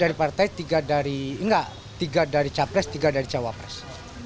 dari partai tiga dari enggak tiga dari capres tiga dari cawapres